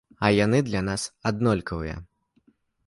А яны для нас аднолькавыя.